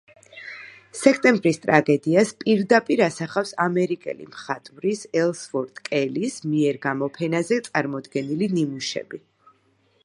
სექტემბრის ტრაგედიას პირდაპირ ასახავს ამერიკელი მხატვრის ელსვორთ კელის მიერ გამოფენაზე წარმოდგენილი ნიმუშები.